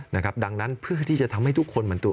นะครับดังนั้นเพื่อที่จะทำให้ทุกคนเหมือนตัว